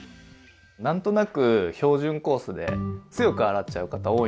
何となく標準コースで強く洗っちゃう方多いんですよね。